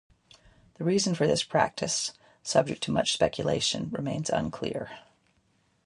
The reason for this practice, subject to much speculation, remains unclear.